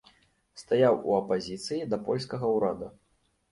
Стаяў у апазіцыі да польскага ўрада.